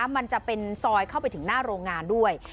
มันจะเป็นซอยเข้าไปถึงหน้าโรงงานด้วย